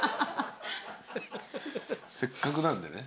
せっかくなんでね。